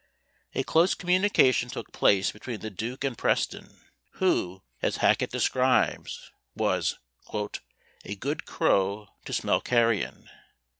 A close communication took place between the duke and Preston, who, as Hacket describes, was "a good crow to smell carrion."